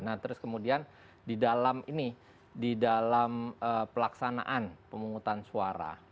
nah terus kemudian di dalam ini di dalam pelaksanaan pemungutan suara